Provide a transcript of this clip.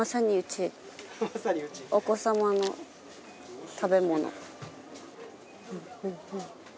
お子様の食べ物。